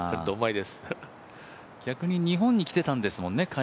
逆に日本に来てたんですもんね